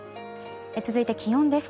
続いて気温です。